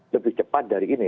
lebih cepat dari ini